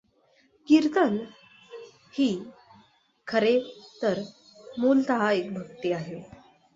कीर्तन ही खरेतर मूलतः एक भक्ती आहे.